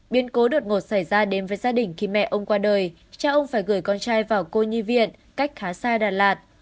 biến cố đột ngột xảy ra đến với gia đình khi mẹ ông qua đời cha ông phải gửi con trai vào cô nhi viện cách khá xa đà lạt